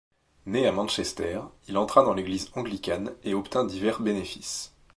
Né à Manchester, il entra dans l'Église anglicane et obtint divers bénéfices.